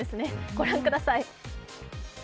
ご覧ください。